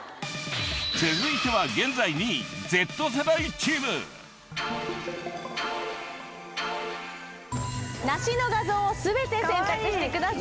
続いては現在２位梨の画像を全て選択してください。